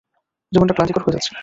জীবনটা ক্লান্তিকর হয়ে যাচ্ছে।